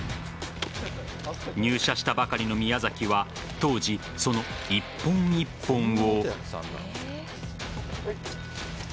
入社したばかりの宮崎は当時、その一本一本を。